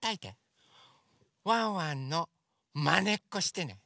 ワンワンのまねっこしてね！